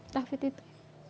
yang paling keras itu